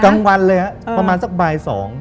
กลางวันเลยครับประมาณสักบ่าย๒